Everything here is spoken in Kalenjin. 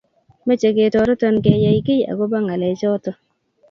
meche ketoreto keyay giiy agoba ngalechoto